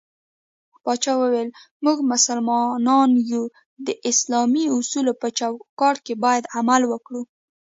پاچا وويل: موږ مسلمانان يو د اسلامي اصولو په چوکات کې بايد عمل وکړو.